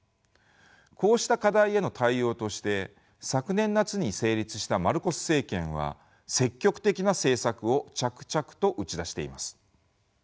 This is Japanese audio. こうした課題への対応として昨年夏に成立したマルコス政権は積極的な政策を着々と打ち出しています。